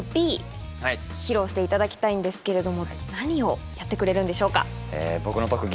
披露していただきたいんですけれども何をやってくれるんでしょうか？